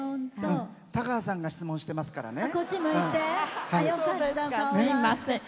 田川さんが質問してますからね。